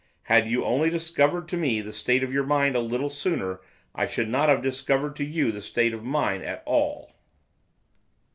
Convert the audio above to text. Had you only discovered to me the state of your mind a little sooner I should not have discovered to you the state of mine at all.